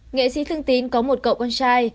nghệ sĩ thương tín có một cậu con trai